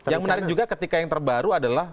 yang menarik juga ketika yang terbaru adalah